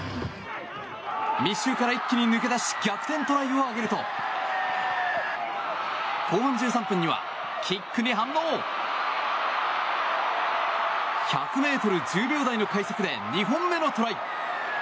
密集から一気に抜け出し逆転トライを奪うと後半１３分には１００ｍ１０秒台の快足で２本目のトライ。